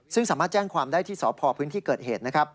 ซึ่งสามารถแจ้งความได้ที่สพพื้นที่เกิดเหตุนะครับ